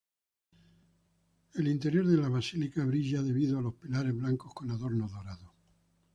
El interior de la basílica brilla debido a los pilares blancos con adornos dorados.